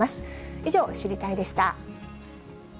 以上、知りたいッ！でした。